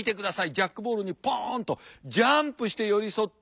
ジャックボールにポンとジャンプして寄り添って。